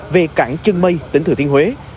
về cảng trân mây tỉnh thừa thiên huế